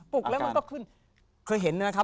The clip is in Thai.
ปลุกแล้วมันก็เพิ่งเคยเห็นอะครับ